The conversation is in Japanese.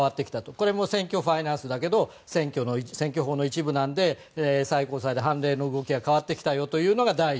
これも選挙ファイナンスだけど選挙法の一部なんで最高裁で凡例の動きが変わってきたよというのが第１。